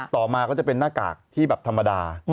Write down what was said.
ต่อมาก็จะเป็นหน้ากากที่แบบธรรมดา